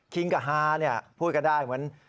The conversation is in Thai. คิงกับฮานิบะเฮ้ยพูดกันได้เหมือน